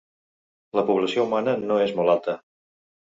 La població humana no és molt alta.